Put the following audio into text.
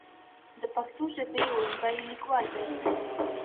د پښتو ژبې وړومبے ليکوال دی